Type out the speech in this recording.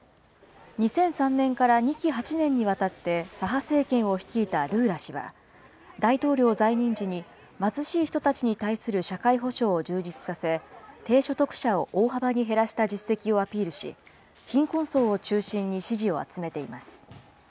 ２００３年から２期８年にわたって左派政権を率いたルーラ氏は、大統領在任時に貧しい人たちに対する社会保障を充実させ、低所得者を大幅に減らした実績をアピールし、貧困層を中心に支持を集めています。